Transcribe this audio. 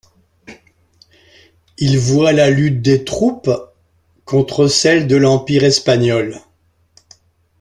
Il voit la lutte des troupes de l' contre celles de l'Empire espagnol.